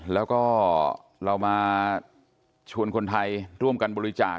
แล้วก็เรามาชวนคนไทยร่วมกันบริจาค